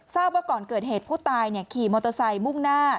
ว่าก่อนเกิดเหตุผู้ตายขี่มอเตอร์ไซค์มุ่งหน้า